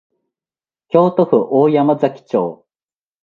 京都府大山崎町